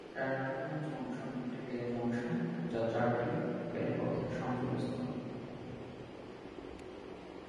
Ernakulam junction একটি rail junction, যা চারটি রেলপথের সংযোগস্থল।